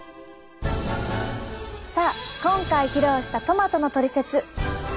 さあ今回披露したトマトのトリセツ。